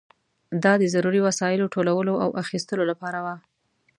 دا د ضروري وسایلو ټولولو او اخیستلو لپاره وه.